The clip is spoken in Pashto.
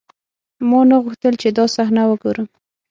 ما نه غوښتل چې دا صحنه وګورم.